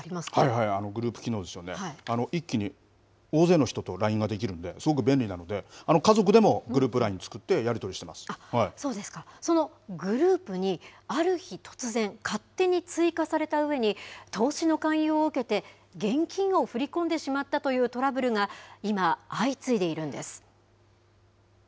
はい、グループ機能ですよね、一気に大勢の人とＬＩＮＥができるんで、すごく便利なので、家族でもグループＬＩＮＥ作ってやりそうですか、そのグループにある日突然、勝手に追加されたうえに、投資の勧誘を受けて現金を振り込んでしまったというトラブルが今、相次いでいるんです。